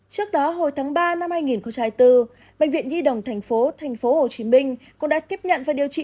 trước đó hồi tháng ba năm hai nghìn bốn bệnh viện di đồng tp hcm cũng đã tiếp nhận và điều trị